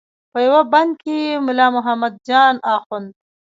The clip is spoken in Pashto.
په یوه بند کې یې ملا محمد جان اخوند.